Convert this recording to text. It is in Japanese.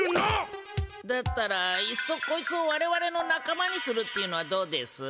だったらいっそこいつをわれわれのなかまにするっていうのはどうです？